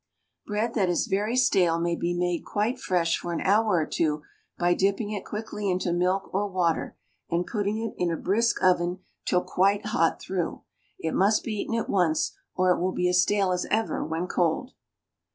Bread that is very stale may be made quite fresh for an hour or two by dipping it quickly into milk or water, and putting it in a brisk oven till quite hot through. It must be eaten at once, or it will be as stale as ever when cold.